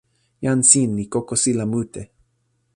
jan sin li kokosila mute.